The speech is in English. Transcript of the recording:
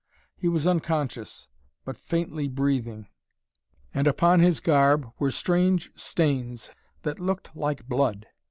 He was unconscious, but faintly breathing, and upon his garb were strange stains, that looked like blood.